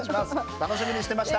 楽しみにしてました。